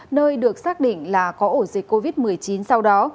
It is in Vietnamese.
nơi được xác định là có ổ dịch covid một mươi chín sau đó